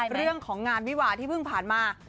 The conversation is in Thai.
เรื่องของงานวิวาที่เพิ่งผ่านมา